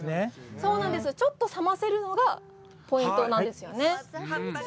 そうなんです、ちょっと冷ませるのがポイントなんですよね。